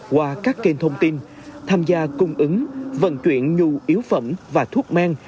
qua các kênh thông tin tham gia cung ứng vận chuyển nhu yếu phẩm và thuốc men